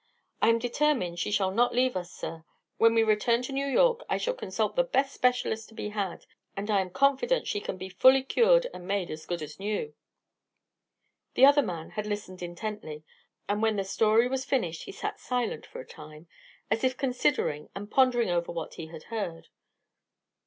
I am determined she shall not leave us, sir. When we return to New York I shall consult the best specialist to be had, and I am confident she can be fully cured and made as good as new." The other man had listened intently, and when the story was finished he sat silent for a time, as if considering and pondering over what he had heard.